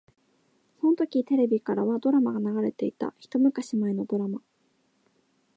そのときテレビからはドラマが流れていた。一昔前のドラマ。